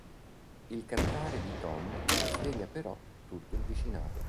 Il cantare di Tom sveglia però tutto il vicinato.